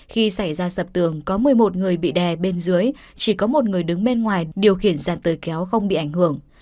khi xảy ra sập tường có một mươi một người bị đè bên dưới chỉ có một người đứng bên ngoài điều khiển giàn tời kéo không bị ảnh hưởng